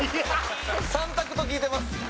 ３択と聞いてます。